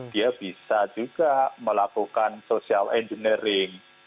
dia bisa juga melakukan social engineering